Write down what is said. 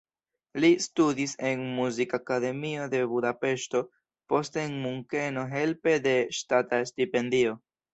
Li studis en la Muzikakademio de Budapeŝto, poste en Munkeno helpe de ŝtata stipendio.